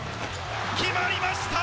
決まりました！